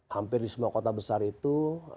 hampir di semua kota besar itu